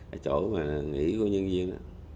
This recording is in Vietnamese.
ở chỗ mà nghỉ của nhân viên